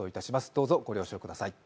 どうぞご了承ください。